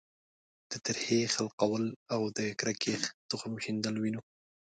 د ترهې خلقول او د کرکې تخم شیندل وینو.